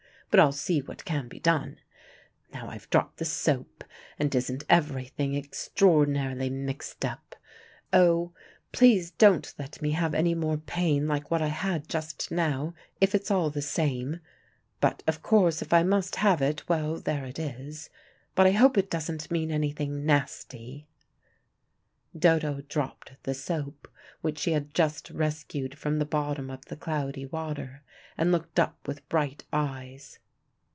But I'll see what can be done. Now I've dropped the soap, and isn't everything extraordinarily mixed up! Oh, please don't let me have any more pain like what I had just now, if it's all the same; but of course if I must have it, well, there it is. But I hope it doesn't mean anything nasty " Dodo dropped the soap which she had just rescued from the bottom of the cloudy water, and looked up with bright eyes.